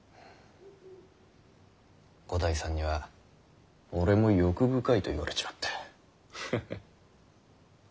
五代さんには俺も欲深いと言われちまったハハ。